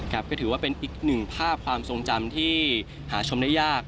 ก็ถือว่าเป็นอีกหนึ่งภาพความทรงจำที่หาชมได้ยาก